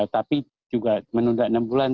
tapi juga menunda enam bulan